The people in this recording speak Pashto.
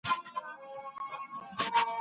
استازو به په خپلو سيمو کي پروژي پلي کړي وي.